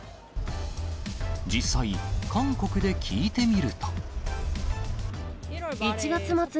実際、韓国で聞いてみると。